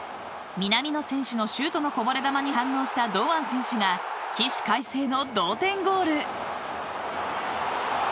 南野選手のシュートのこぼれ球に反応した堂安選手が起死回生の同点ゴール。